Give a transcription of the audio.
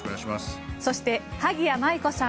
そして萩谷麻衣子さん。